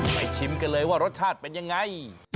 ชิมกันเลยว่ารสชาติเป็นยังไง